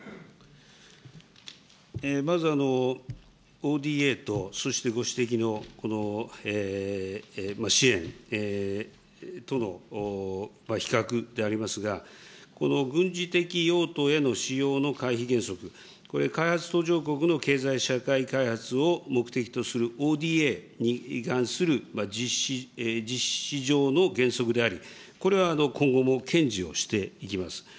まずＯＤＡと、そしてご指摘のこの支援との比較でありますが、この軍事的用途への使用の回避原則、これ、開発途上国の経済社会開発を目的とするＯＤＡに関する実施上の原則であり、これは今後も堅持をしていきます。